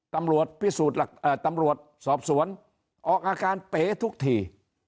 ตำรวจพิสูจน์ตำรวจสอบสวนออกอาการเป๋ทุกที